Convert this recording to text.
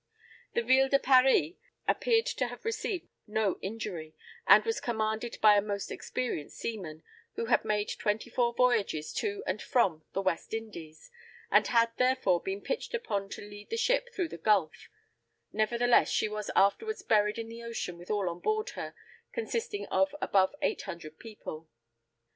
The Ville de Paris appeared to have received no injury, and was commanded by a most experienced seaman, who had made twenty four voyages to and from the West Indies, and had, therefore, been pitched upon to lead the ship through the Gulf; nevertheless, she was afterwards buried in the ocean with all on board her, consisting of above eight hundred people.